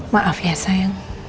maaf ya sayang